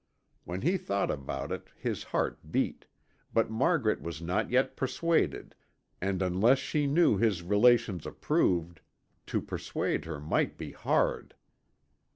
When he thought about it his heart beat, but Margaret was not yet persuaded, and unless she knew his relations approved, to persuade her might be hard.